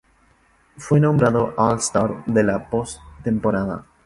Fue nombrado All-Star de la pos-temporada.